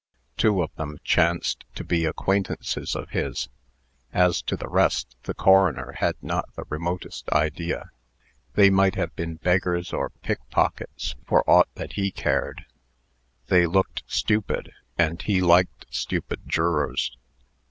Two of them chanced to be acquaintances of his. As to the rest, the coroner had not the remotest idea. They might have been beggars or pickpockets, for aught that he cared. They looked stupid, and he liked stupid jurors.